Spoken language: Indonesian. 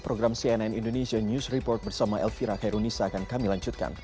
program cnn indonesia news report bersama elvira kairunisa akan kami lanjutkan